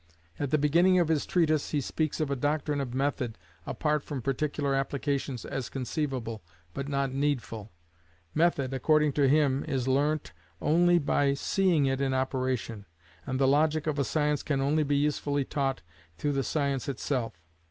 At the beginning of his treatise he speaks of a doctrine of Method, apart from particular applications, as conceivable, but not needful: method, according to him, is learnt only by seeing it in operation, and the logic of a science can only usefully be taught through the science itself.